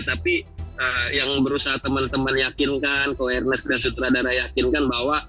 tapi yang berusaha teman teman yakinkan ke awareness dan sutradara yakinkan bahwa